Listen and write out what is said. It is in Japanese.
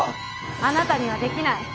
あなたにはできない。